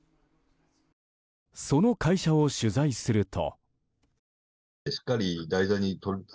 その会社を取材すると。